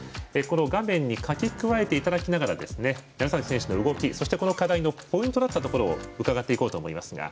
画面に書き加えていただきながら楢崎選手の動き、またこの課題のポイントだったところを伺っていこうと思いますが。